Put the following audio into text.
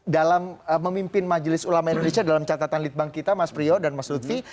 dalam memimpin majelis ulama indonesia dalam catatan litbang kita mas priyo dan mas lutfi